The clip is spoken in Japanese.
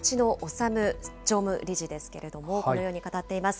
修常務理事ですけれども、このように語っています。